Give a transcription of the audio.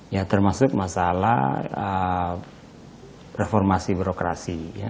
ya termasuk masalah reformasi birokrasi